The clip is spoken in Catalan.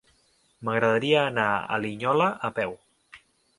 M'agradaria anar a Linyola a peu.